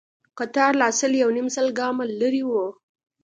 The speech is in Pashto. کتار لا سل يونيم سل ګامه لرې و.